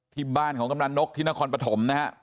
ที่บ้านของกำลังนกที่นครปฐมนะฮะ